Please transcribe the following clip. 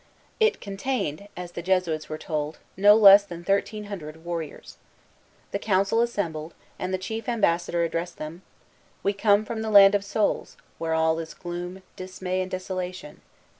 It contained, as the Jesuits were told, no less than thirteen hundred warriors. The council assembled, and the chief ambassador addressed them: "We come from the Land of Souls, where all is gloom, dismay, and desolation.